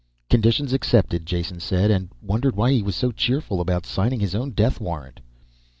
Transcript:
"Conditions accepted," Jason said. And wondered why he was so cheerful about signing his own death warrant.